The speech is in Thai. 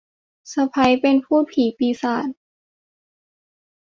สะใภ้เป็นภูตผีปีศาจ